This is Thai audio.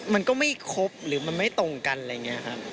มันก็ไม่ครบหรือมันไม่ตรงกันอะไรอย่างนี้ครับ